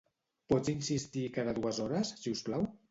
Pots insistir cada dues hores, siusplau?